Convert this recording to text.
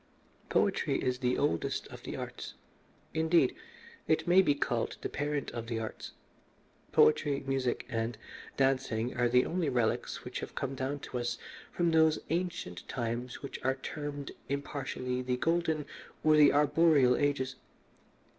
"Poetry is the oldest of the arts. Indeed, it may be called the parent of the arts. Poetry, music, and dancing are the only relics which have come down to us from those ancient times which are termed impartially the Golden or the Arboreal Ages.